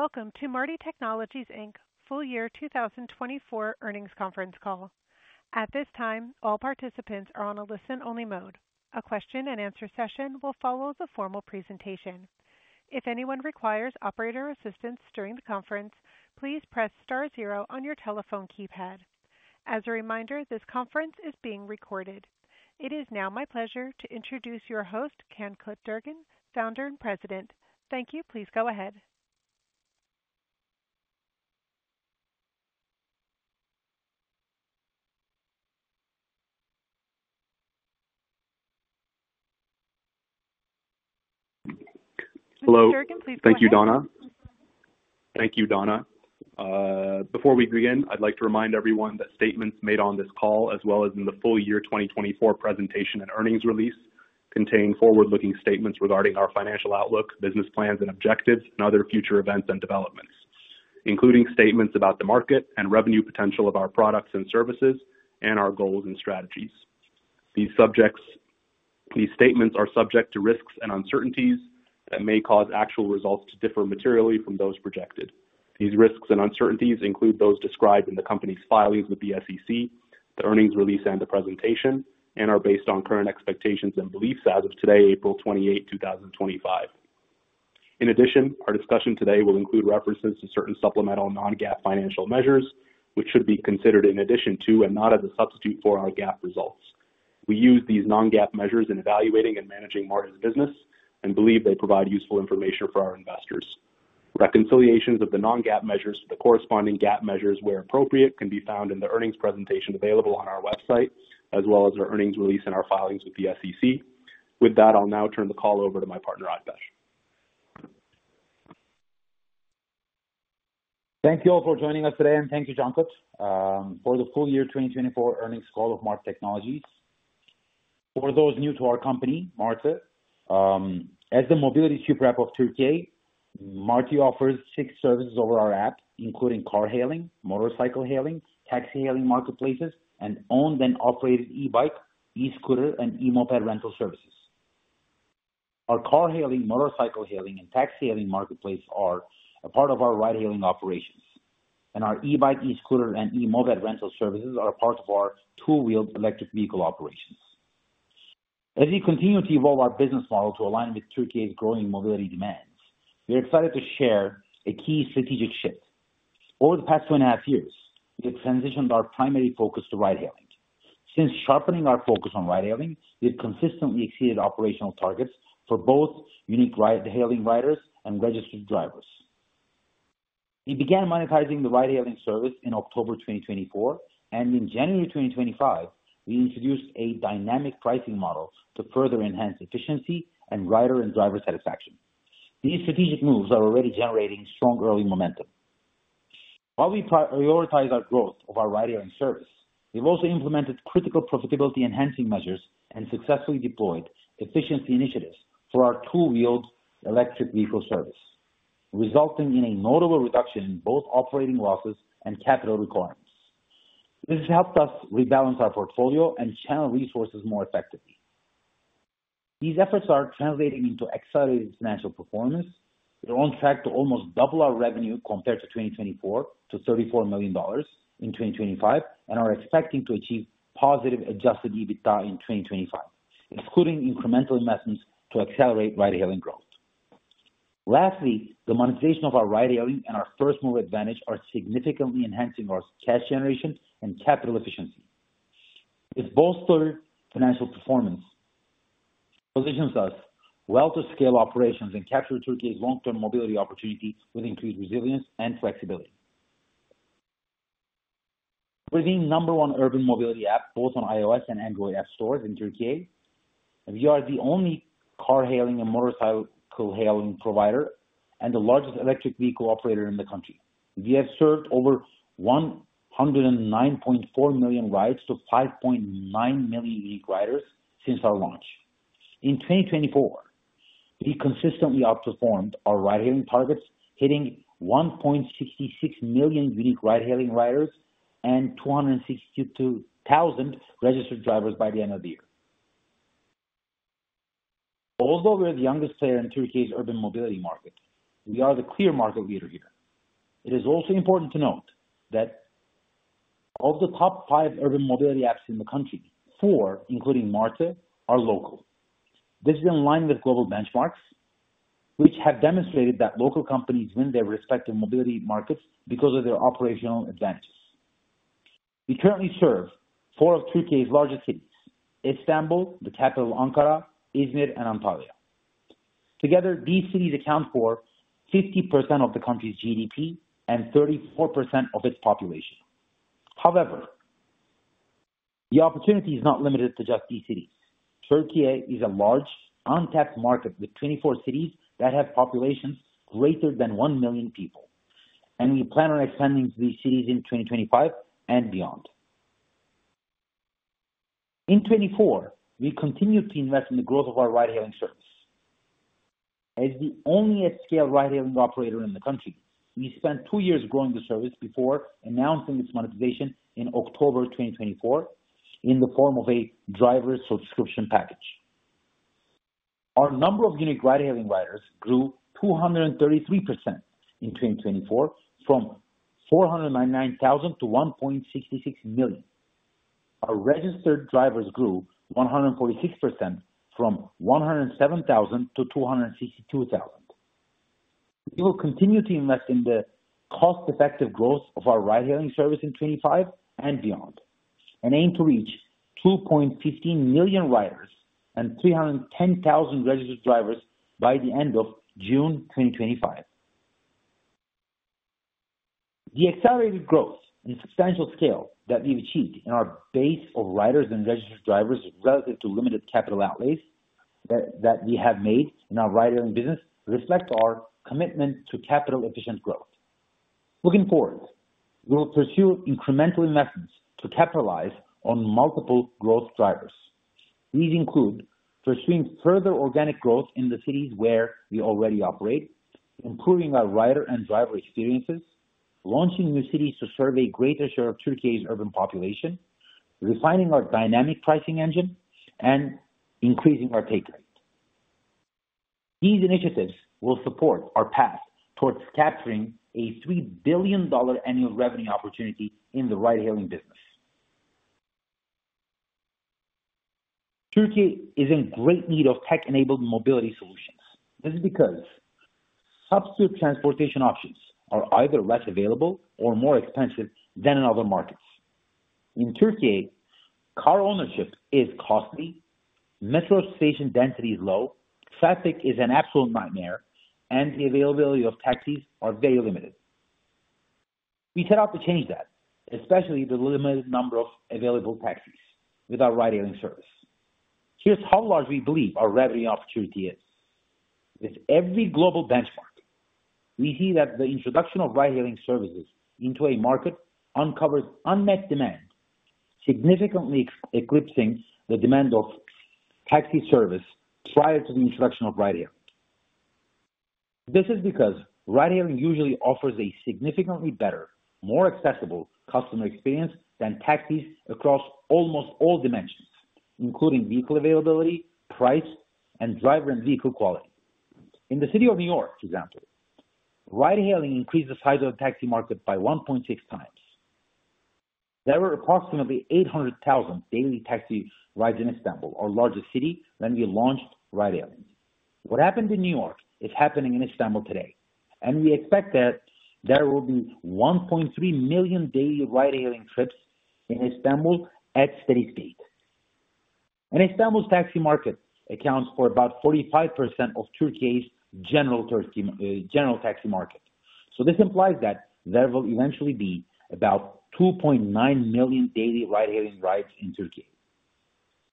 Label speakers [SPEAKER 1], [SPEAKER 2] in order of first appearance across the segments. [SPEAKER 1] Welcome to Marti Technologies Inc. Full Year 2024 Earnings Conference Call. At this time, all participants are on a listen-only mode. A question-and-answer session will follow the formal presentation. If anyone requires operator assistance during the conference, please press star zero on your telephone keypad. As a reminder, this conference is being recorded. It is now my pleasure to introduce your host, Cankut Durgun, founder and president. Thank you. Please go ahead.
[SPEAKER 2] Hello.
[SPEAKER 1] Mr. Durgun, please go ahead.
[SPEAKER 2] Thank you, Donna. Before we begin, I'd like to remind everyone that statements made on this call, as well as in the full year 2024 presentation and earnings release, contain forward-looking statements regarding our financial outlook, business plans and objectives, and other future events and developments, including statements about the market and revenue potential of our products and services, and our goals and strategies. These statements are subject to risks and uncertainties that may cause actual results to differ materially from those projected. These risks and uncertainties include those described in the company's filings with the SEC, the earnings release, and the presentation, and are based on current expectations and beliefs as of today, April 28, 2025. In addition, our discussion today will include references to certain supplemental non-GAAP financial measures, which should be considered in addition to and not as a substitute for our GAAP results. We use these non-GAAP measures in evaluating and managing Marti's business and believe they provide useful information for our investors. Reconciliations of the non-GAAP measures to the corresponding GAAP measures, where appropriate, can be found in the earnings presentation available on our website, as well as our earnings release and our filings with the SEC. With that, I'll now turn the call over to my partner, Oğuz.
[SPEAKER 3] Thank you all for joining us today, and thank you, Cankut, for the Full Year 2024 Earnings call of Marti Technologies. For those new to our company, Marti, as the mobility super app of Türkiye, Marti offers six services over our app, including car hailing, motorcycle hailing, taxi hailing marketplaces, and owned and operated e-bike, e-scooter, and e-moped rental services. Our car hailing, motorcycle hailing, and taxi hailing marketplaces are a part of our ride-hailing operations, and our e-bike, e-scooter, and e-moped rental services are a part of our two-wheeled electric vehicle operations. As we continue to evolve our business model to align with Türkiye's growing mobility demands, we're excited to share a key strategic shift. Over the past two and a half years, we have transitioned our primary focus to ride-hailing. Since sharpening our focus on ride-hailing, we have consistently exceeded operational targets for both unique ride-hailing riders and registered drivers. We began monetizing the ride-hailing service in October 2024, and in January 2025, we introduced a dynamic pricing model to further enhance efficiency and rider and driver satisfaction. These strategic moves are already generating strong early momentum. While we prioritize our growth of our ride-hailing service, we've also implemented critical profitability-enhancing measures and successfully deployed efficiency initiatives for our two-wheeled electric vehicle service, resulting in a notable reduction in both operating losses and capital requirements. This has helped us rebalance our portfolio and channel resources more effectively. These efforts are translating into accelerated financial performance. We're on track to almost double our revenue compared to 2024, to $34 million in 2025, and are expecting to achieve positive adjusted EBITDA in 2025, excluding incremental investments to accelerate ride-hailing growth. Lastly, the monetization of our ride-hailing and our first-mover advantage are significantly enhancing our cash generation and capital efficiency. This bolstered financial performance positions us well to scale operations and capture Türkiye's long-term mobility opportunity with increased resilience and flexibility. We're the number one urban mobility app, both on iOS and Android app stores in Türkiye. We are the only car hailing and motorcycle hailing provider and the largest electric vehicle operator in the country. We have served over 109.4 million rides to 5.9 million unique riders since our launch. In 2024, we consistently outperformed our ride-hailing targets, hitting 1.66 million unique ride-hailing riders and 262,000 registered drivers by the end of the year. Although we're the youngest player in Türkiye's urban mobility market, we are the clear market leader here. It is also important to note that of the top five urban mobility apps in the country, four, including Marti, are local. This is in line with global benchmarks, which have demonstrated that local companies win their respective mobility markets because of their operational advantages. We currently serve four of Türkiye's largest cities: Istanbul, the capital Ankara, Izmir, and Antalya. Together, these cities account for 50% of the country's GDP and 34% of its population. However, the opportunity is not limited to just these cities. Türkiye is a large, untapped market with 24 cities that have populations greater than 1 million people, and we plan on expanding to these cities in 2025 and beyond. In 2024, we continued to invest in the growth of our ride-hailing service. As the only at-scale ride-hailing operator in the country, we spent two years growing the service before announcing its monetization in October 2024 in the form of a driver's subscription package. Our number of unique ride-hailing riders grew 233% in 2024, from 499,000 to 1.66 million. Our registered drivers grew 146% from 107,000 to 262,000. We will continue to invest in the cost-effective growth of our ride-hailing service in 2025 and beyond and aim to reach 2.15 million riders and 310,000 registered drivers by the end of June 2025. The accelerated growth and substantial scale that we've achieved in our base of riders and registered drivers relative to limited capital outlays that we have made in our ride-hailing business reflects our commitment to capital-efficient growth. Looking forward, we will pursue incremental investments to capitalize on multiple growth drivers. These include pursuing further organic growth in the cities where we already operate, improving our rider and driver experiences, launching new cities to serve a greater share of Türkiye's urban population, refining our dynamic pricing engine, and increasing our take rate. These initiatives will support our path towards capturing a $3 billion annual revenue opportunity in the ride-hailing business. Türkiye is in great need of tech-enabled mobility solutions. This is because substitute transportation options are either less available or more expensive than in other markets. In Türkiye, car ownership is costly, metro station density is low, traffic is an absolute nightmare, and the availability of taxis is very limited. We set out to change that, especially the limited number of available taxis with our ride-hailing service. Here's how large we believe our revenue opportunity is. With every global benchmark, we see that the introduction of ride-hailing services into a market uncovers unmet demand, significantly eclipsing the demand of taxi service prior to the introduction of ride-hailing. This is because ride-hailing usually offers a significantly better, more accessible customer experience than taxis across almost all dimensions, including vehicle availability, price, and driver and vehicle quality. In the city of New York, for example, ride-hailing increased the size of the taxi market by 1.6 times. There were approximately 800,000 daily taxi rides in Istanbul, our largest city, when we launched ride-hailing. What happened in New York is happening in Istanbul today, and we expect that there will be 1.3 million daily ride-hailing trips in Istanbul at steady state. Istanbul's taxi market accounts for about 45% of Türkiye's general taxi market. This implies that there will eventually be about 2.9 million daily ride-hailing rides in Türkiye.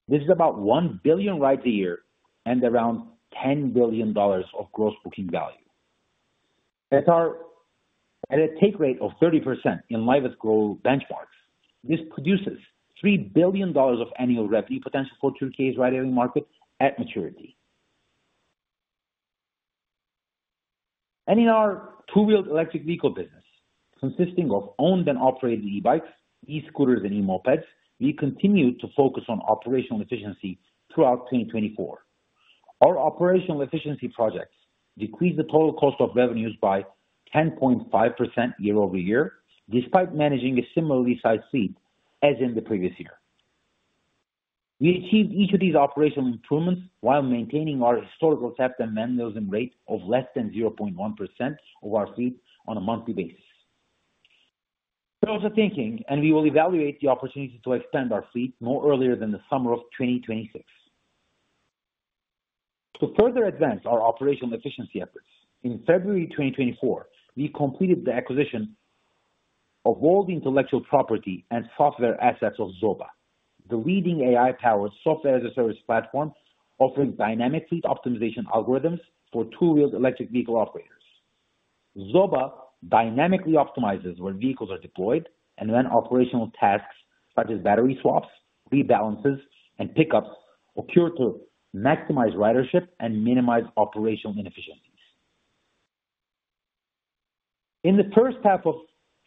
[SPEAKER 3] This is about 1 billion rides a year and around $10 billion of gross booking value. At a take rate of 30% in live growth benchmarks, this produces $3 billion of annual revenue potential for Türkiye's ride-hailing market at maturity. In our two-wheeled electric vehicle business, consisting of owned and operated e-bikes, e-scooters, and e-mopeds, we continue to focus on operational efficiency throughout 2024. Our operational efficiency projects decreased the total cost of revenues by 10.5% year over year, despite managing a similarly sized fleet as in the previous year. We achieved each of these operational improvements while maintaining our historical cap and memos and rate of less than 0.1% of our fleet on a monthly basis. We are also thinking, and we will evaluate the opportunity to expand our fleet no earlier than the summer of 2026. To further advance our operational efficiency efforts, in February 2024, we completed the acquisition of all the intellectual property and software assets of Zoba, the leading AI-powered software as a service platform offering dynamic fleet optimization algorithms for two-wheeled electric vehicle operators. Zoba dynamically optimizes when vehicles are deployed and when operational tasks such as battery swaps, rebalances, and pickups occur to maximize ridership and minimize operational inefficiencies. In the first half of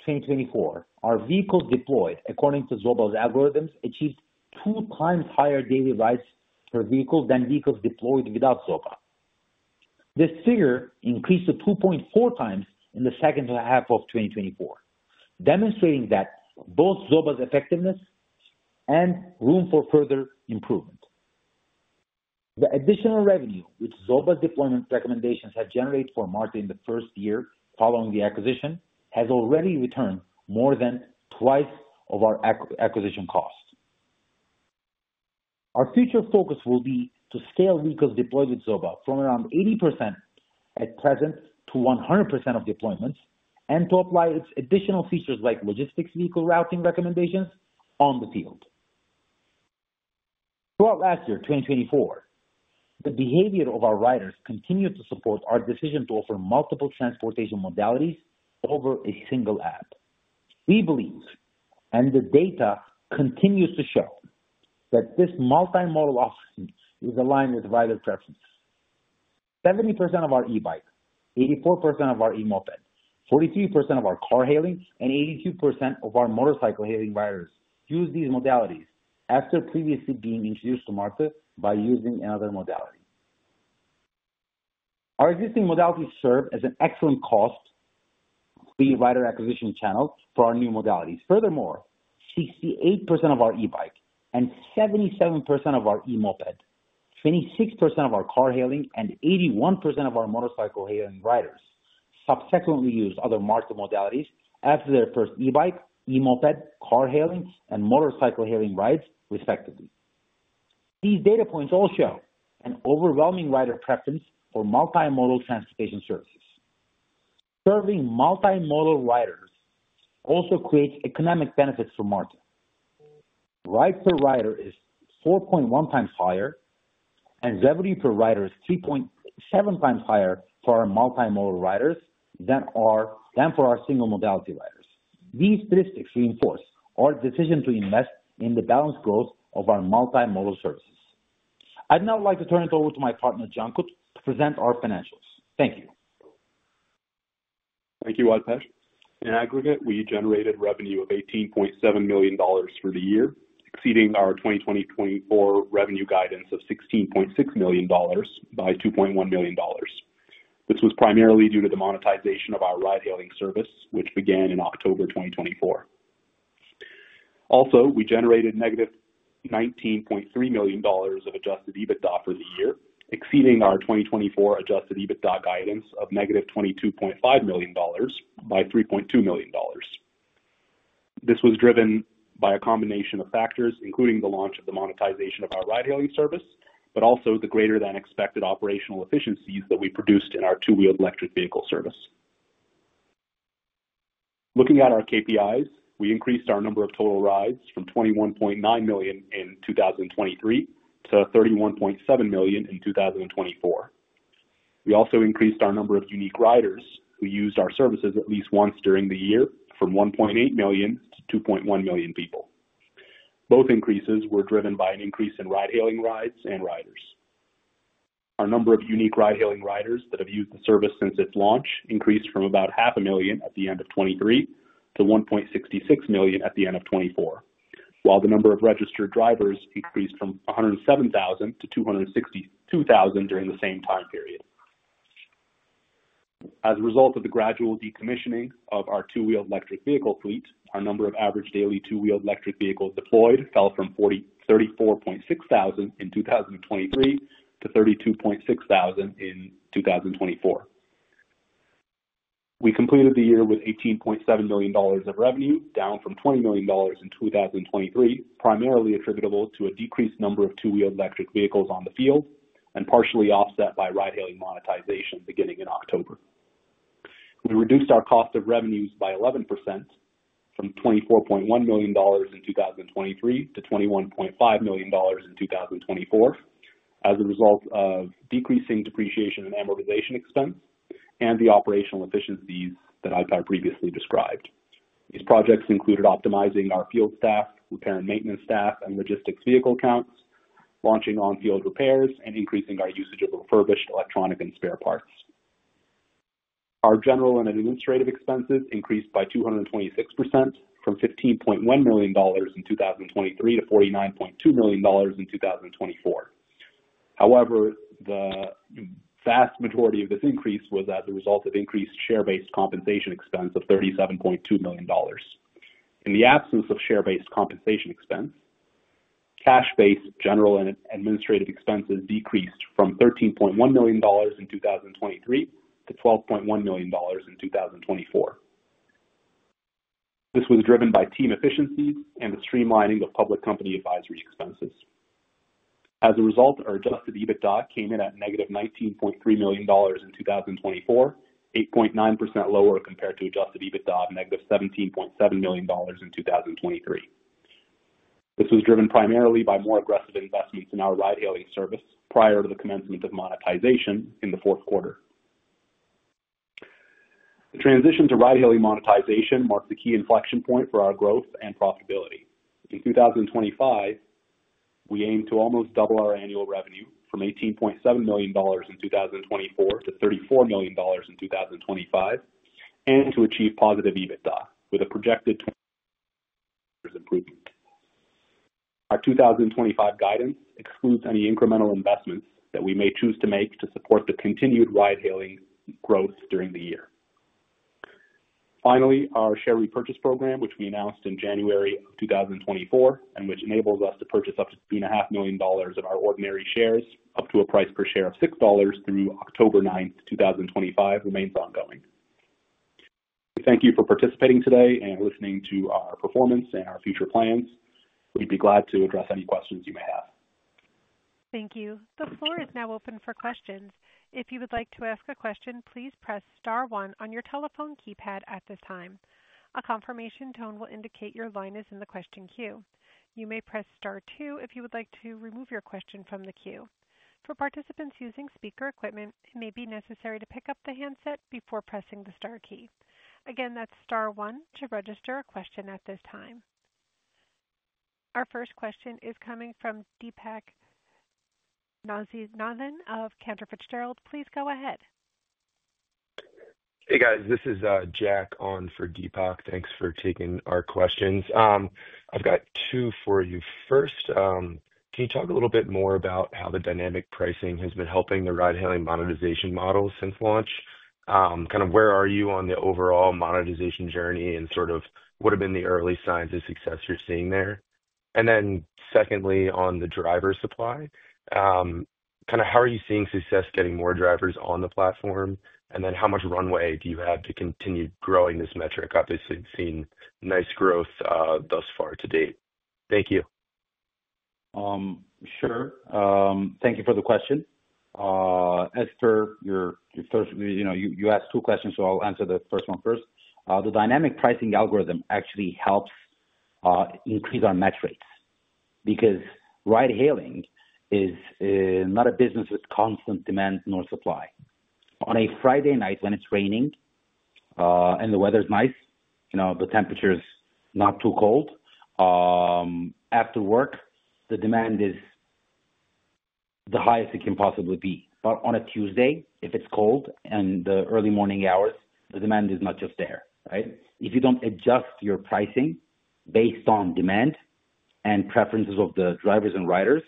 [SPEAKER 3] 2024, our vehicles deployed, according to Zoba's algorithms, achieved two times higher daily rides per vehicle than vehicles deployed without Zoba. This figure increased to 2.4 times in the second half of 2024, demonstrating both Zoba's effectiveness and room for further improvement. The additional revenue which Zoba's deployment recommendations have generated for Marti in the first year following the acquisition has already returned more than twice our acquisition cost. Our future focus will be to scale vehicles deployed with Zoba from around 80% at present to 100% of deployments and to apply its additional features like logistics vehicle routing recommendations on the field. Throughout last year, 2024, the behavior of our riders continued to support our decision to offer multiple transportation modalities over a single app. We believe, and the data continues to show, that this multimodal option is aligned with rider preferences. 70% of our e-bike, 84% of our e-moped, 43% of our car hailing, and 82% of our motorcycle hailing riders use these modalities after previously being introduced to Marti by using another modality. Our existing modalities serve as an excellent cost-free rider acquisition channel for our new modalities. Furthermore, 68% of our e-bike and 77% of our e-moped, 26% of our car hailing, and 81% of our motorcycle hailing riders subsequently use other Marti modalities after their first e-bike, e-moped, car hailing, and motorcycle hailing rides, respectively. These data points all show an overwhelming rider preference for multimodal transportation services. Serving multimodal riders also creates economic benefits for Marti. Ride-per-rider is 4.1 times higher, and revenue per rider is 3.7 times higher for our multimodal riders than for our single modality riders. These statistics reinforce our decision to invest in the balanced growth of our multimodal services. I'd now like to turn it over to my partner, Cankut, to present our financials. Thank you.
[SPEAKER 2] Thank you, Alper. In aggregate, we generated revenue of $18.7 million for the year, exceeding our 2024 revenue guidance of $16.6 million by $2.1 million. This was primarily due to the monetization of our ride-hailing service, which began in October 2024. Also, we generated negative $19.3 million of adjusted EBITDA for the year, exceeding our 2024 adjusted EBITDA guidance of negative $22.5 million by $3.2 million. This was driven by a combination of factors, including the launch of the monetization of our ride-hailing service, but also the greater-than-expected operational efficiencies that we produced in our two-wheeled electric vehicle service. Looking at our KPIs, we increased our number of total rides from 21.9 million in 2023 to 31.7 million in 2024. We also increased our number of unique riders who used our services at least once during the year from 1.8 million to 2.1 million people. Both increases were driven by an increase in ride-hailing rides and riders. Our number of unique ride-hailing riders that have used the service since its launch increased from about 500,000 at the end of 2023 to 1.66 million at the end of 2024, while the number of registered drivers increased from 107,000 to 262,000 during the same time period. As a result of the gradual decommissioning of our two-wheeled electric vehicle fleet, our number of average daily two-wheeled electric vehicles deployed fell from 34,600 in 2023 to 32,600 in 2024. We completed the year with $18.7 million of revenue, down from $20 million in 2023, primarily attributable to a decreased number of two-wheeled electric vehicles on the field and partially offset by ride-hailing monetization beginning in October. We reduced our cost of revenues by 11% from $24.1 million in 2023 to $21.5 million in 2024 as a result of decreasing depreciation and amortization expense and the operational efficiencies that I previously described. These projects included optimizing our field staff, repair and maintenance staff, and logistics vehicle counts, launching on-field repairs, and increasing our usage of refurbished electronic and spare parts. Our general and administrative expenses increased by 226% from $15.1 million in 2023 to $49.2 million in 2024. However, the vast majority of this increase was as a result of increased share-based compensation expense of $37.2 million. In the absence of share-based compensation expense, cash-based general and administrative expenses decreased from $13.1 million in 2023 to $12.1 million in 2024. This was driven by team efficiencies and the streamlining of public company advisory expenses. As a result, our adjusted EBITDA came in at negative $19.3 million in 2024, 8.9% lower compared to adjusted EBITDA of negative $17.7 million in 2023. This was driven primarily by more aggressive investments in our ride-hailing service prior to the commencement of monetization in the fourth quarter. The transition to ride-hailing monetization marked a key inflection point for our growth and profitability. In 2025, we aim to almost double our annual revenue from $18.7 million in 2024 to $34 million in 2025 and to achieve positive EBITDA with a projected improvement. Our 2025 guidance excludes any incremental investments that we may choose to make to support the continued ride-hailing growth during the year. Finally, our share repurchase program, which we announced in January of 2024 and which enables us to purchase up to $2.5 million of our ordinary shares up to a price per share of $6 through October 9, 2025, remains ongoing. Thank you for participating today and listening to our performance and our future plans. We'd be glad to address any questions you may have.
[SPEAKER 1] Thank you. The floor is now open for questions. If you would like to ask a question, please press star one on your telephone keypad at this time. A confirmation tone will indicate your line is in the question queue. You may press star two if you would like to remove your question from the queue. For participants using speaker equipment, it may be necessary to pick up the handset before pressing the star key. Again, that's star one to register a question at this time. Our first question is coming from Deepak Mathivanan of Cantor Fitzgerald. Please go ahead.
[SPEAKER 4] Hey, guys. This is Jack on for Deepak. Thanks for taking our questions. I've got two for you. First, can you talk a little bit more about how the dynamic pricing has been helping the ride-hailing monetization model since launch? Kind of where are you on the overall monetization journey and sort of what have been the early signs of success you're seeing there? Secondly, on the driver supply, kind of how are you seeing success getting more drivers on the platform? How much runway do you have to continue growing this metric? Obviously, we've seen nice growth thus far to date? Thank you.
[SPEAKER 3] Sure. Thank you for the question. As per your first, you asked two questions, so I'll answer the first one first. The dynamic pricing algorithm actually helps increase our match rates because ride-hailing is not a business with constant demand nor supply. On a Friday night when it's raining and the weather's nice, the temperature's not too cold, after work, the demand is the highest it can possibly be. On a Tuesday, if it's cold and the early morning hours, the demand is not just there, right? If you don't adjust your pricing based on demand and preferences of the drivers and riders,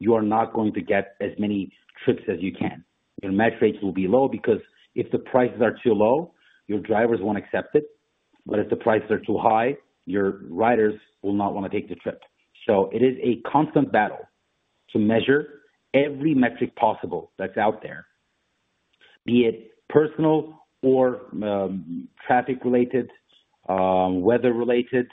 [SPEAKER 3] you are not going to get as many trips as you can. Your match rates will be low because if the prices are too low, your drivers won't accept it. If the prices are too high, your riders will not want to take the trip. It is a constant battle to measure every metric possible that's out there, be it personal or traffic-related, weather-related,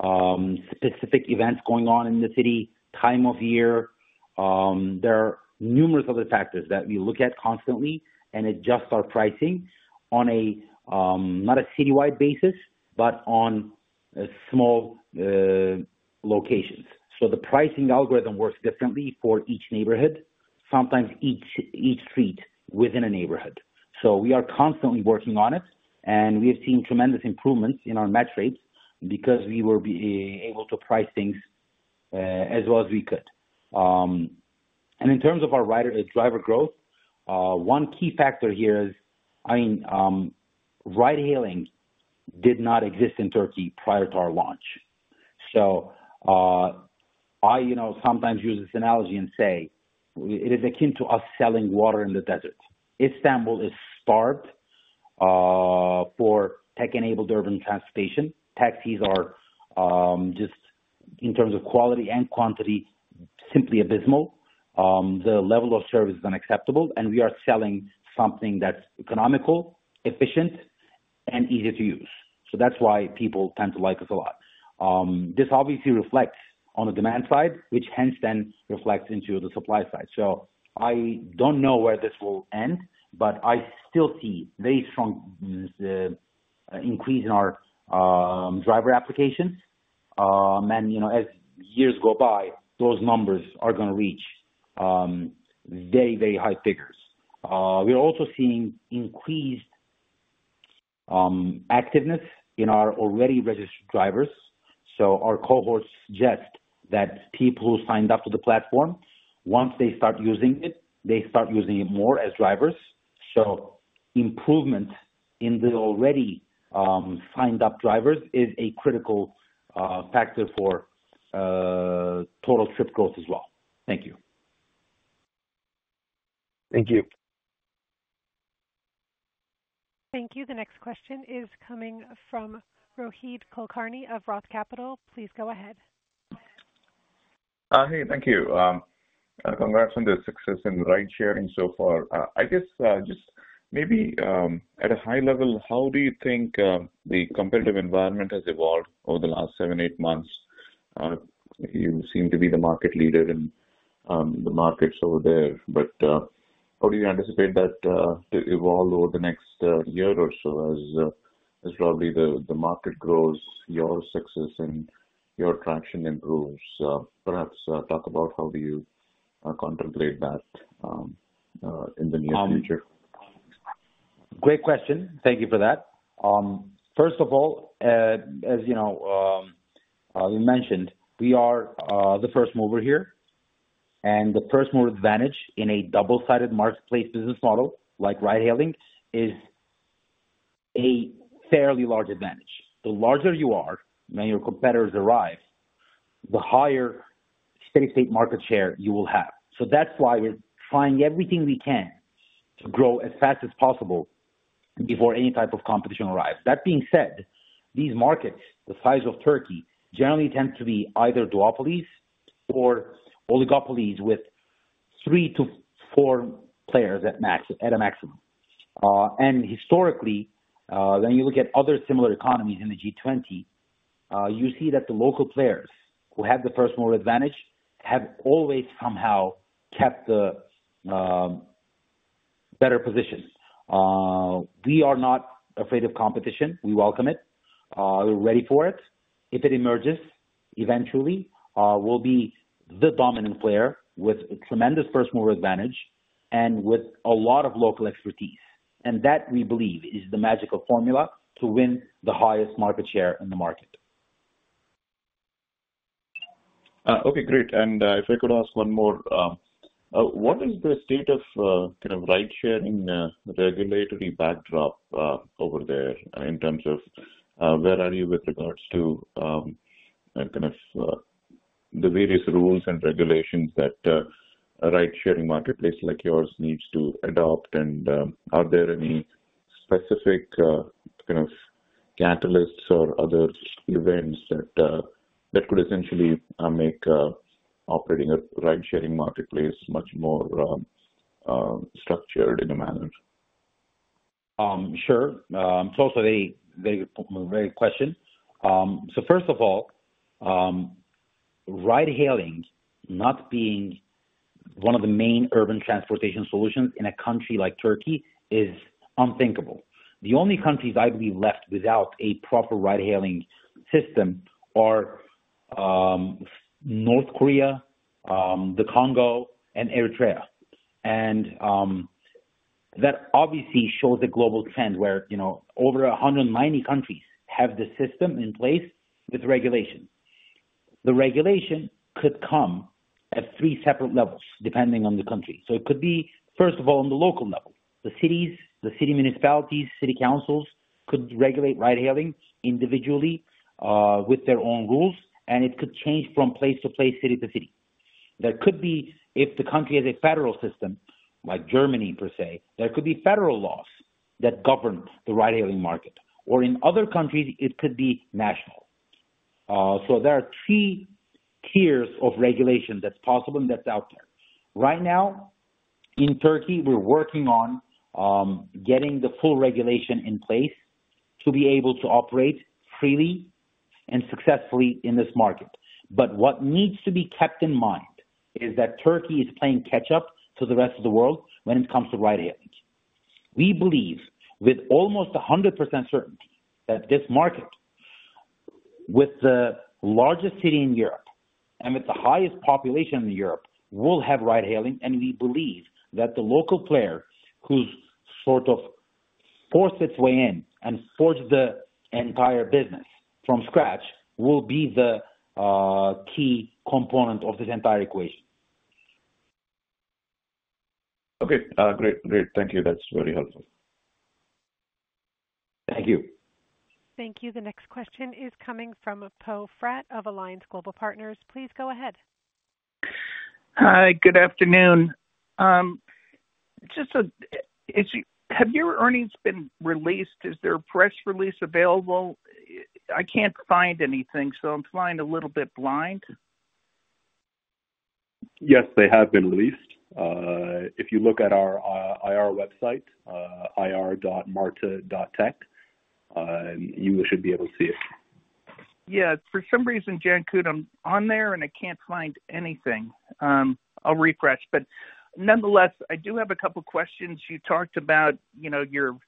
[SPEAKER 3] specific events going on in the city, time of year. There are numerous other factors that we look at constantly and adjust our pricing on not a citywide basis, but on small locations. The pricing algorithm works differently for each neighborhood, sometimes each street within a neighborhood. We are constantly working on it, and we have seen tremendous improvements in our match rates because we were able to price things as well as we could. In terms of our driver growth, one key factor here is, I mean, ride-hailing did not exist in Türkiye prior to our launch. I sometimes use this analogy and say it is akin to us selling water in the desert. Istanbul is starved for tech-enabled urban transportation. Taxis are just, in terms of quality and quantity, simply abysmal. The level of service is unacceptable, and we are selling something that's economical, efficient, and easy to use. That is why people tend to like us a lot. This obviously reflects on the demand side, which hence then reflects into the supply side. I do not know where this will end, but I still see a very strong increase in our driver applications. As years go by, those numbers are going to reach very, very high figures. We are also seeing increased activeness in our already registered drivers. Our cohorts suggest that people who signed up to the platform, once they start using it, they start using it more as drivers. Improvement in the already signed-up drivers is a critical factor for total trip growth as well. Thank you.
[SPEAKER 4] Thank you.
[SPEAKER 1] Thank you. The next question is coming from Rohit Kulkarni of ROTH Capital. Please go ahead.
[SPEAKER 5] Hey, thank you. Congrats on the success in ride-sharing so far. I guess just maybe at a high level, how do you think the competitive environment has evolved over the last seven, eight months? You seem to be the market leader in the markets over there. How do you anticipate that to evolve over the next year or so as probably the market grows, your success, and your traction improves? Perhaps talk about how you contemplate that in the near future.
[SPEAKER 3] Great question. Thank you for that. First of all, as you mentioned, we are the first mover here. The first-mover advantage in a double-sided marketplace business model like ride-hailing is a fairly large advantage. The larger you are when your competitors arrive, the higher steady-state market share you will have. That is why we're trying everything we can to grow as fast as possible before any type of competition arrives. That being said, these markets, the size of Türkiye, generally tend to be either duopolies or oligopolies with three to four players at a maximum. Historically, when you look at other similar economies in the G20, you see that the local players who have the first-mover advantage have always somehow kept the better position. We are not afraid of competition. We welcome it. We're ready for it. If it emerges, eventually, we'll be the dominant player with tremendous first-mover advantage and with a lot of local expertise. That, we believe, is the magical formula to win the highest market share in the market.
[SPEAKER 5] Okay, great. If I could ask one more, what is the state of kind of ride-sharing regulatory backdrop over there in terms of where are you with regards to kind of the various rules and regulations that a ride-sharing marketplace like yours needs to adopt? Are there any specific kind of catalysts or other events that could essentially make operating a ride-sharing marketplace much more structured in a manner?
[SPEAKER 3] Sure. It's also a very good question. First of all, ride-hailing not being one of the main urban transportation solutions in a country like Türkiye is unthinkable. The only countries I believe left without a proper ride-hailing system are North Korea, the Congo, and Eritrea. That obviously shows a global trend where over 190 countries have the system in place with regulation. The regulation could come at three separate levels depending on the country. It could be, first of all, on the local level. The cities, the city municipalities, city councils could regulate ride-hailing individually with their own rules, and it could change from place to place, city to city. There could be, if the country has a federal system like Germany, per se, there could be federal laws that govern the ride-hailing market. In other countries, it could be national. There are three tiers of regulation that's possible and that's out there. Right now, in Türkiye, we're working on getting the full regulation in place to be able to operate freely and successfully in this market. What needs to be kept in mind is that Türkiye is playing catch-up to the rest of the world when it comes to ride-hailing. We believe with almost 100% certainty that this market, with the largest city in Europe and with the highest population in Europe, will have ride-hailing. We believe that the local player who's sort of forced its way in and forged the entire business from scratch will be the key component of this entire equation.
[SPEAKER 5] Okay. Great. Great. Thank you. That's very helpful.
[SPEAKER 3] Thank you.
[SPEAKER 1] Thank you. The next question is coming from Poe Fratt of Alliance Global Partners. Please go ahead.
[SPEAKER 6] Hi. Good afternoon. Have your earnings been released? Is there a press release available? I can't find anything, so I'm flying a little bit blind.
[SPEAKER 2] Yes, they have been released. If you look at our IR website, ir.marti.tech, you should be able to see it.
[SPEAKER 6] Yeah. For some reason, Cankut, I'm on there and I can't find anything. I'll refresh. Nonetheless, I do have a couple of questions. You talked about your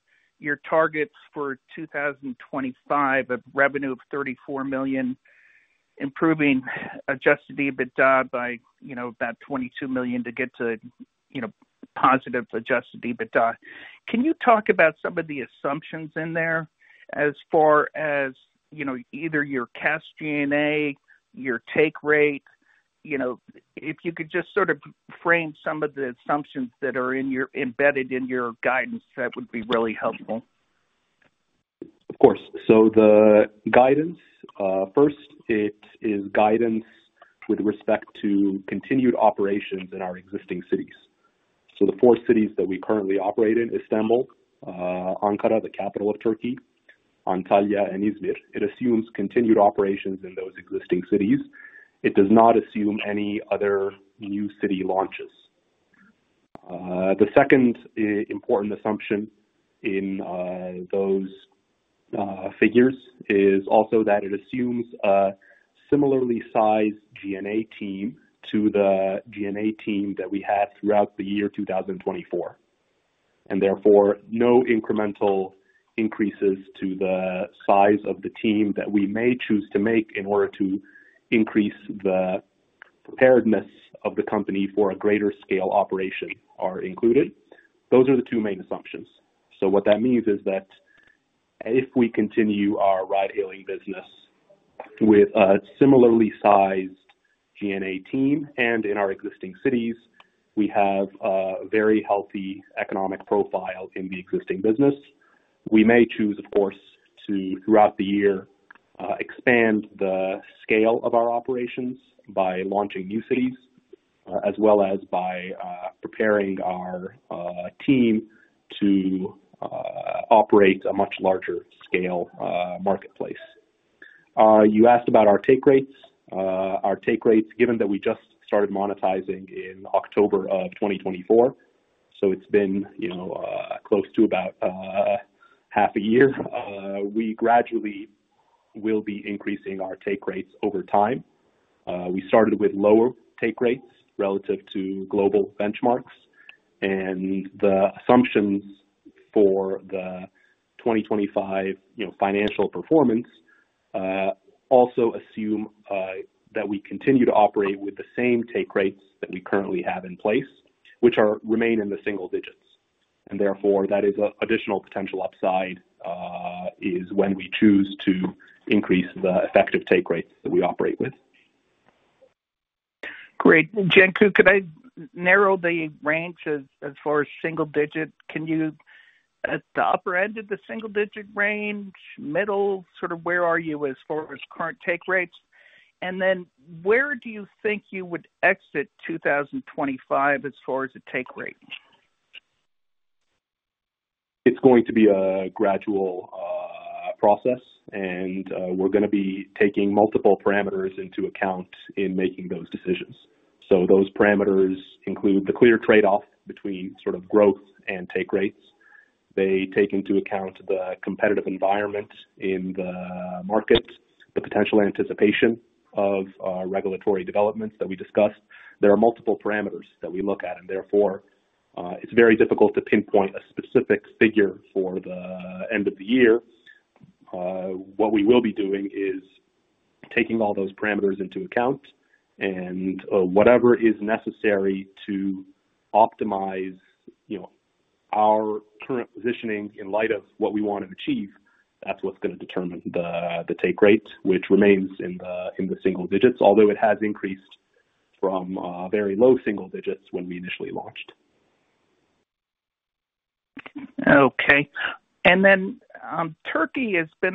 [SPEAKER 6] targets for 2025 of revenue of $34 million, improving adjusted EBITDA by about $22 million to get to positive adjusted EBITDA. Can you talk about some of the assumptions in there as far as either your cash G&A, your take rate? If you could just sort of frame some of the assumptions that are embedded in your guidance, that would be really helpful.
[SPEAKER 2] Of course. The guidance, first, it is guidance with respect to continued operations in our existing cities. The four cities that we currently operate in, Istanbul, Ankara, the capital of Türkiye, Antalya, and Izmir, it assumes continued operations in those existing cities. It does not assume any other new city launches. The second important assumption in those figures is also that it assumes a similarly sized G&A team to the G&A team that we had throughout the year 2024. Therefore, no incremental increases to the size of the team that we may choose to make in order to increase the preparedness of the company for a greater scale operation are included. Those are the two main assumptions. What that means is that if we continue our ride-hailing business with a similarly sized G&A team and in our existing cities, we have a very healthy economic profile in the existing business. We may choose, of course, to throughout the year expand the scale of our operations by launching new cities as well as by preparing our team to operate a much larger scale marketplace. You aske about our take rates. Our take rates, given that we just started monetizing in October of 2024, so it's been close to about half a year, we gradually will be increasing our take rates over time. We started with lower take rates relative to global benchmarks. The assumptions for the 2025 financial performance also assume that we continue to operate with the same take rates that we currently have in place, which remain in the single digits. Therefore, that is an additional potential upside is when we choose to increase the effective take rates that we operate with.
[SPEAKER 6] Great. Cankut, could I narrow the range as far as single digit? Can you at the upper end of the single digit range, middle, sort of where are you as far as current take rates? Where do you think you would exit 2025 as far as a take rate?
[SPEAKER 2] It's going to be a gradual process, and we're going to be taking multiple parameters into account in making those decisions. Those parameters include the clear trade-off between sort of growth and take rates. They take into account the competitive environment in the market, the potential anticipation of regulatory developments that we discussed. There are multiple parameters that we look at, and therefore, it's very difficult to pinpoint a specific figure for the end of the year. What we will be doing is taking all those parameters into account, and whatever is necessary to optimize our current positioning in light of what we want to achieve, that's what's going to determine the take rate, which remains in the single digits, although it has increased from very low single digits when we initially launched.
[SPEAKER 6] Okay. Türkiye has been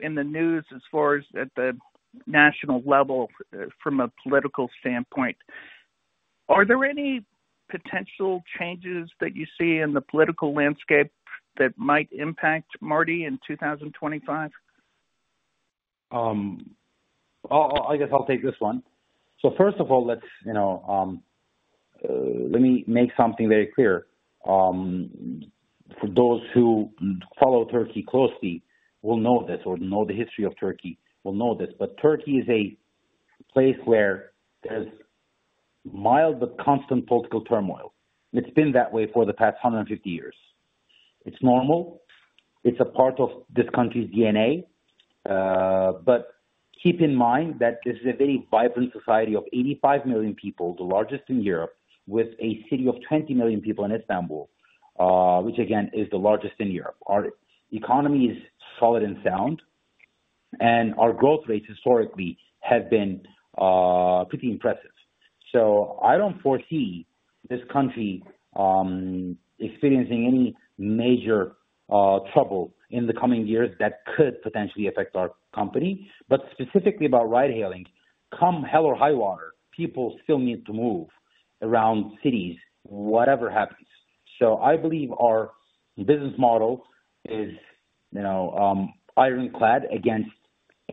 [SPEAKER 6] in the news as far as at the national level from a political standpoint. Are there any potential changes that you see in the political landscape that might impact Marti in 2025?
[SPEAKER 3] I guess I'll take this one. First of all, let me make something very clear. For those who follow Türkiye closely will know this or know the history of Türkiye will know this. Türkiye is a place where there's mild but constant political turmoil. It's been that way for the past 150 years. It's normal. It's a part of this country's DNA. Keep in mind that this is a very vibrant society of 85 million people, the largest in Europe, with a city of 20 million people in Istanbul, which again is the largest in Europe. Our economy is solid and sound, and our growth rates historically have been pretty impressive. I do not foresee this country experiencing any major trouble in the coming years that could potentially affect our company. Specifically about ride-hailing, come hell or high water, people still need to move around cities, whatever happens. I believe our business model is ironclad against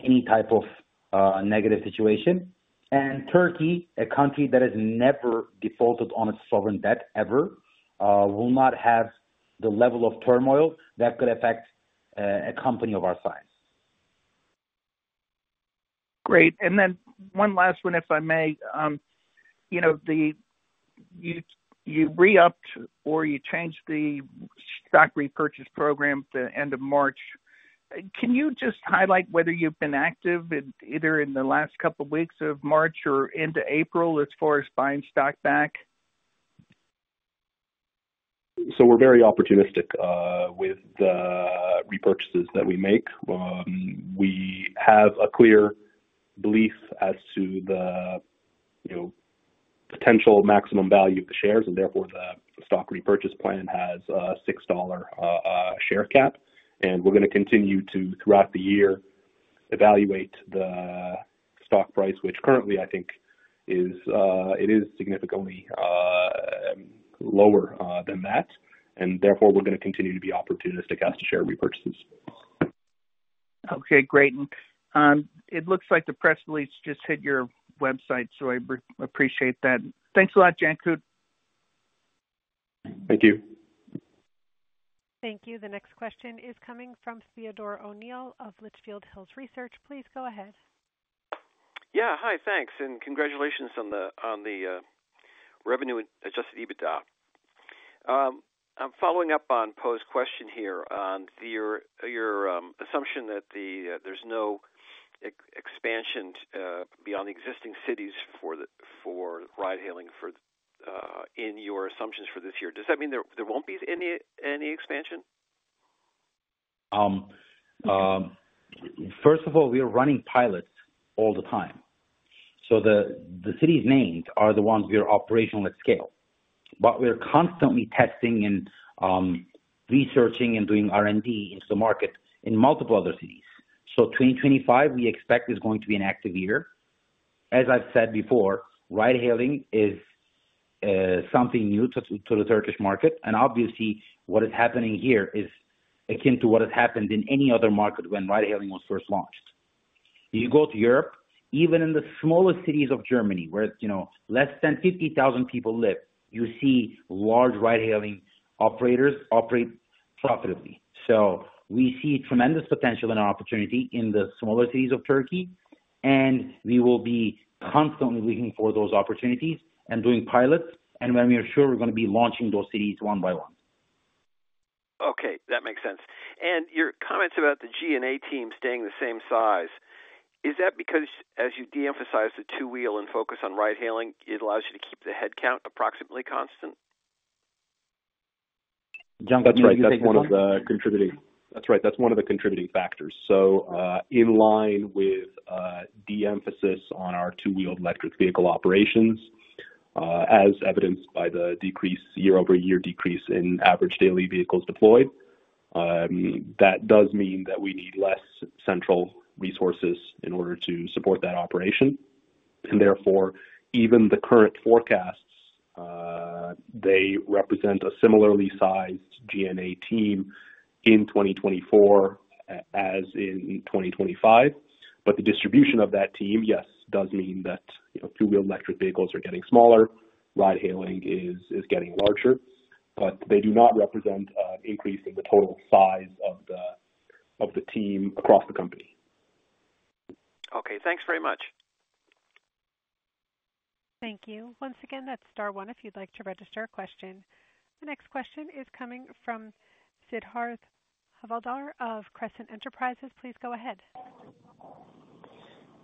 [SPEAKER 3] any type of negative situation. Türkiye, a country that has never defaulted on its sovereign debt ever, will not have the level of turmoil that could affect a company of our size.
[SPEAKER 6] Great. One last one, if I may. You re-upped or you changed the stock repurchase program at the end of March. Can you just highlight whether you've been active either in the last couple of weeks of March or into April as far as buying stock back?
[SPEAKER 2] We're very opportunistic with the repurchases that we make. We have a clear belief as to the potential maximum value of the shares, and therefore, the stock repurchase plan has a $6 share cap. We're going to continue to, throughout the year, evaluate the stock price, which currently, I think, is significantly lower than that. Therefore, we're going to continue to be opportunistic as to share repurchases.
[SPEAKER 6] Okay. Great. It looks like the press release just hit your website, so I appreciate that. Thanks a lot, Cankut.
[SPEAKER 2] Thank you.
[SPEAKER 1] Thank you. The next question is coming from Theodore O’Neill of Litchfield Hills Research. Please go ahead.
[SPEAKER 7] Yeah. Hi. Thanks. Congratulations on the revenue adjusted EBITDA. I'm following up on Poe's question here on your assumption that there's no expansion beyond existing cities for ride-hailing in your assumptions for this year. Does that mean there won't be any expansion?
[SPEAKER 3] First of all, we are running pilots all the time. The cities named are the ones we are operational at scale. We are constantly testing and researching and doing R&D into the market in multiple other cities. 2025, we expect, is going to be an active year. As I've said before, ride-hailing is something new to the Turkish market. Obviously, what is happening here is akin to what has happened in any other market when ride-hailing was first launched. You go to Europe, even in the smallest cities of Germany, where fewer than 50,000 people live, you see large ride-hailing operators operate profitably. We see tremendous potential and opportunity in the smaller cities of Türkiye. We will be constantly looking for those opportunities and doing pilots. When we are sure, we're going to be launching those cities one by one.
[SPEAKER 7] Okay. That makes sense. Your comments about the G&A team staying the same size, is that because, as you de-emphasized the two-wheel and focus on ride-hailing, it allows you to keep the headcount approximately constant?
[SPEAKER 2] Cankut, that's one of the contributing factors. In line with de-emphasis on our two-wheeled electric vehicle operations, as evidenced by the year-over-year decrease in average daily vehicles deployed, that does mean that we need less central resources in order to support that operation. Therefore, even the current forecasts, they represent a similarly sized G&A team in 2024 as in 2025. The distribution of that team, yes, does mean that two-wheeled electric vehicles are getting smaller, ride-hailing is getting larger. They do not represent an increase in the total size of the team across the company.
[SPEAKER 7] Okay. Thanks very much.
[SPEAKER 3] Thank you. Once again, that's star one if you'd like to register a question. The next question is coming from Siddharth Havaldar of Crescent Enterprises. Please go ahead.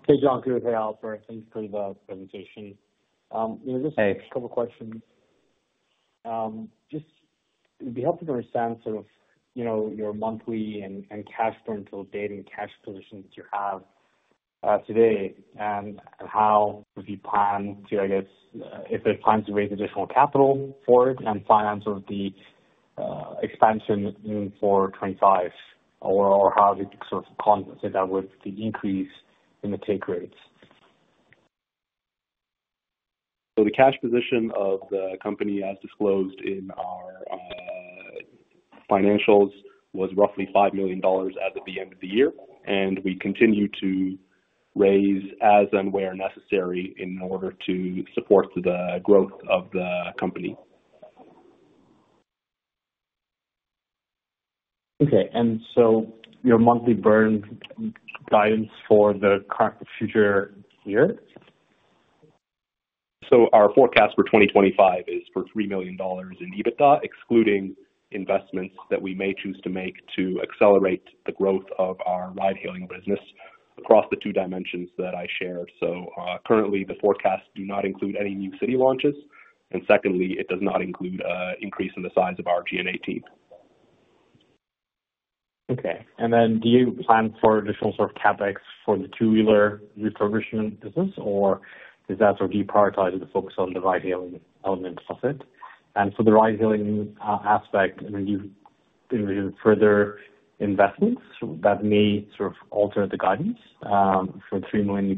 [SPEAKER 8] Hey, John. Good. Hey, Alper. Thanks for the presentation. Just a couple of questions. It would be helpful to understand sort of your monthly and cash burn to date and cash positions that you have today and how. If you plan to, I guess, if there's plans to raise additional capital for it and finance the expansion for 2025, or how do you sort of compensate that with the increase in the take rates?
[SPEAKER 2] The cash position of the company, as disclosed in our financials, was roughly $5 million as of the end of the year. We continue to raise as and where necessary in order to support the growth of the company.
[SPEAKER 8] Okay. Your monthly burn guidance for the current to future year?
[SPEAKER 2] Our forecast for 2025 is for $3 million in EBITDA, excluding investments that we may choose to make to accelerate the growth of our ride-hailing business across the two dimensions that I shared. Currently, the forecasts do not include any new city launches. Secondly, it does not include an increase in the size of our G&A team.
[SPEAKER 8] Okay. Do you plan for additional sort of CapEx for the two-wheeler repurpose business, or is that sort of deprioritized with the focus on the ride-hailing element of it? For the ride-hailing aspect, I mean, do you envision further investments that may sort of alter the guidance for $3 million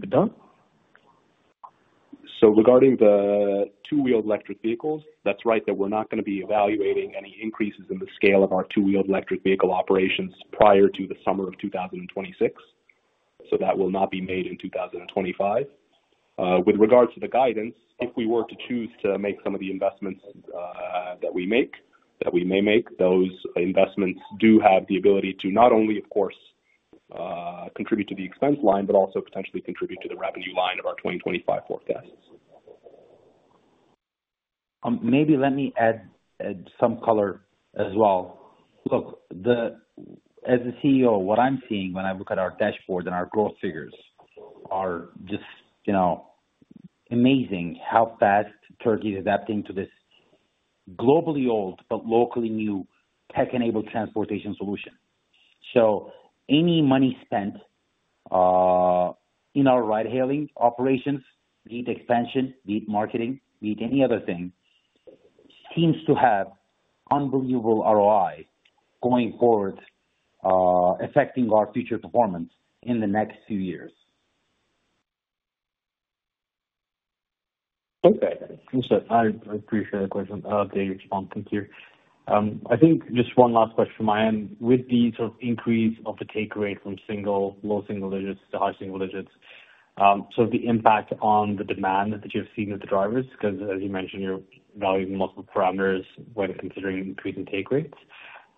[SPEAKER 8] EBITDA?
[SPEAKER 2] Regarding the two-wheeled electric vehicles, that's right that we're not going to be evaluating any increases in the scale of our two-wheeled electric vehicle operations prior to the summer of 2026. That will not be made in 2025. With regards to the guidance, if we were to choose to make some of the investments that we may make, those investments do have the ability to not only, of course, contribute to the expense line, but also potentially contribute to the revenue line of our 2025 forecasts.
[SPEAKER 3] Maybe let me add some color as well. Look, as a CEO, what I'm seeing when I look at our dashboard and our growth figures are just amazing how fast Türkiye is adapting to this globally old but locally new tech-enabled transportation solution. Any money spent in our ride-hailing operations, be it expansion, be it marketing, be it any other thing, seems to have unbelievable ROI going forward, affecting our future performance in the next few years.
[SPEAKER 8] Okay. I appreciate the question. I'll update your response. Thank you. I think just one last question from my end. With the sort of increase of the take rate from low single digits to high single digits, sort of the impact on the demand that you've seen with the drivers, because as you mentioned, you're evaluating multiple parameters when considering increasing take rates.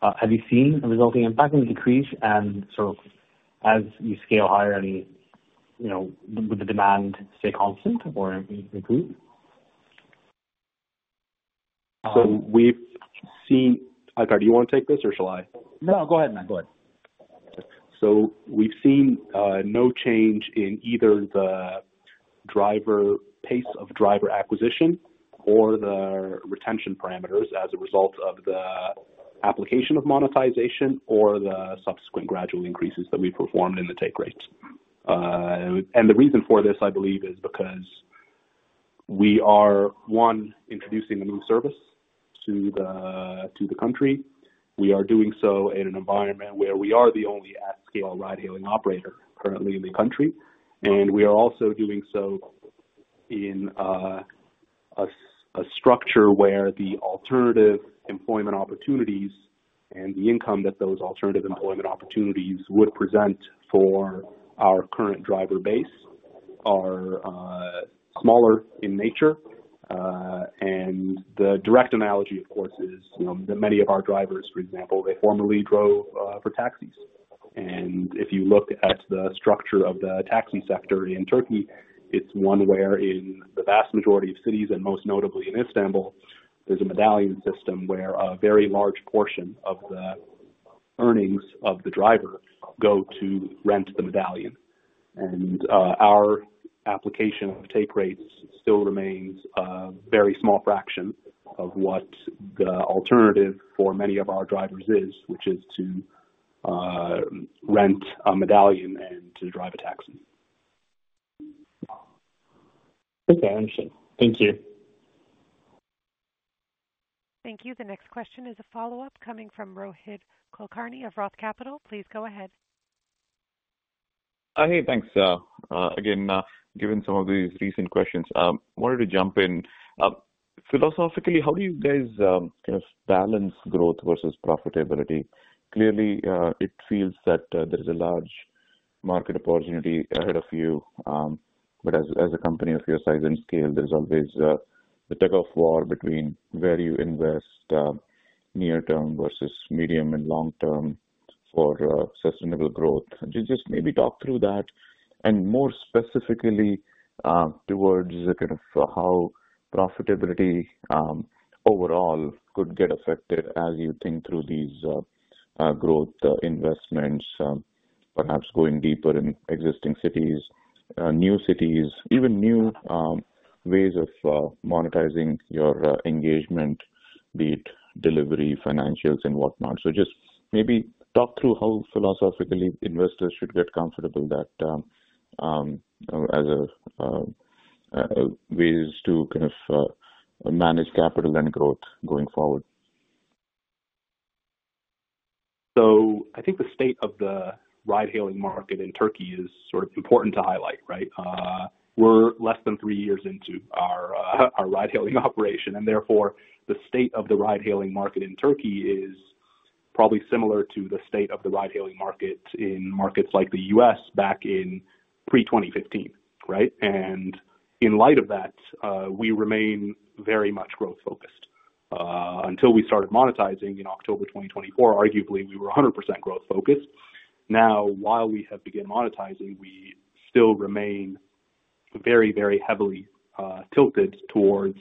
[SPEAKER 8] Have you seen a resulting impact in the decrease? And sort of as you scale higher, would the demand stay constant or improve?
[SPEAKER 2] We've seen—I'm sorry. Do you want to take this, or shall I?
[SPEAKER 3] No, go ahead, man. Go ahead.
[SPEAKER 2] We have seen no change in either the pace of driver acquisition or the retention parameters as a result of the application of monetization or the subsequent gradual increases that we performed in the take rates. The reason for this, I believe, is because we are, one, introducing a new service to the country. We are doing so in an environment where we are the only at-scale ride-hailing operator currently in the country. We are also doing so in a structure where the alternative employment opportunities and the income that those alternative employment opportunities would present for our current driver base are smaller in nature. The direct analogy, of course, is that many of our drivers, for example, they formerly drove for taxis. If you look at the structure of the taxi sector in Türkiye, it's one where in the vast majority of cities, and most notably in Istanbul, there's a medallion system where a very large portion of the earnings of the driver go to rent the medallion. Our application of take rates still remains a very small fraction of what the alternative for many of our drivers is, which is to rent a medallion and to drive a taxi.
[SPEAKER 8] Okay. I understand. Thank you.
[SPEAKER 1] Thank you. The next question is a follow-up coming from Rohit Kulkarni of ROTH Capital. Please go ahead.
[SPEAKER 5] Hey, thanks. Again, given some of these recent questions, I wanted to jump in. Philosophically, how do you guys kind of balance growth versus profitability? Clearly, it feels that there is a large market opportunity ahead of you. As a company of your size and scale, there's always the tug-of-war between where you invest near-term versus medium and long-term for sustainable growth. Just maybe talk through that. More specifically towards kind of how profitability overall could get affected as you think through these growth investments, perhaps going deeper in existing cities, new cities, even new ways of monetizing your engagement, be it delivery, financials, and whatnot. Just maybe talk through how philosophically investors should get comfortable as a way to kind of manage capital and growth going forward.
[SPEAKER 2] I think the state of the ride-hailing market in Türkiye is sort of important to highlight, right? We're less than three years into our ride-hailing operation. Therefore, the state of the ride-hailing market in Türkiye is probably similar to the state of the ride-hailing market in markets like the U.S. back in pre-2015, right? In light of that, we remain very much growth-focused. Until we started monetizing in October 2024, arguably, we were 100% growth-focused. Now, while we have begun monetizing, we still remain very, very heavily tilted towards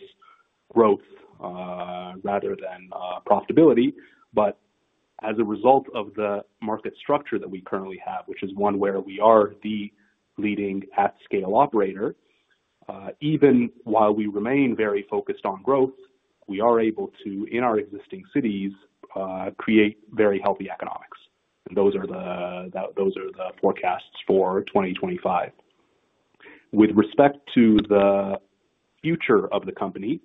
[SPEAKER 2] growth rather than profitability. As a result of the market structure that we currently have, which is one where we are the leading at-scale operator, even while we remain very focused on growth, we are able to, in our existing cities, create very healthy economics. Those are the forecasts for 2025. With respect to the future of the company,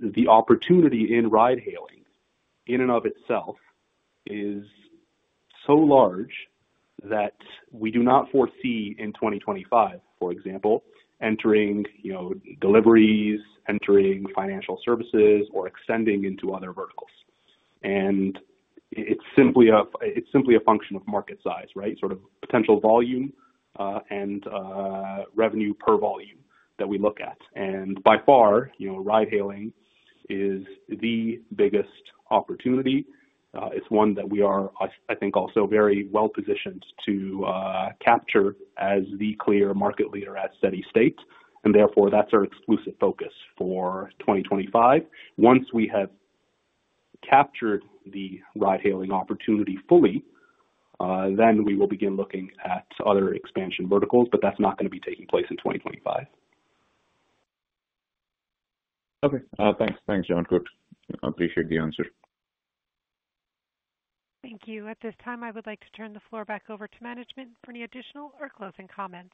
[SPEAKER 2] the opportunity in ride-hailing in and of itself is so large that we do not foresee in 2025, for example, entering deliveries, entering financial services, or extending into other verticals. It is simply a function of market size, right? Sort of potential volume and revenue per volume that we look at. By far, ride-hailing is the biggest opportunity. It's one that we are, I think, also very well positioned to capture as the clear market leader at steady state. Therefore, that's our exclusive focus for 2025. Once we have captured the ride-hailing opportunity fully, then we will begin looking at other expansion verticals. That's not going to be taking place in 2025. Okay. Thanks, John. Good. I appreciate the answer.
[SPEAKER 1] Thank you. At this time, I would like to turn the floor back over to management for any additional or closing comments.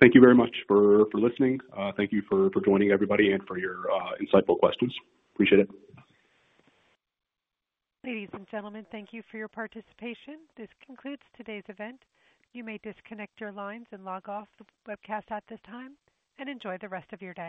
[SPEAKER 2] Thank you very much for listening. Thank you for joining, everybody, and for your insightful questions. Appreciate it.
[SPEAKER 1] Ladies and gentlemen, thank you for your participation. This concludes today's event. You may disconnect your lines and log off the webcast at this time. Enjoy the rest of your day.